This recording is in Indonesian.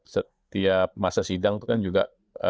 setiap masa sidang itu kan juga